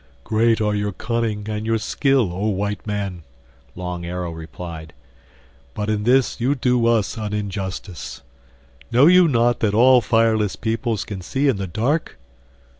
"Great are your cunning and your skill, oh White Man," Long Arrow replied. "But in this you do us an injustice. Know you not that all fireless peoples can see in the dark?